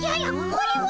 これは！